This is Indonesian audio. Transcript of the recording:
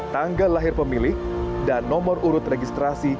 tanggal lahir pemilik dan nomor urut registrasi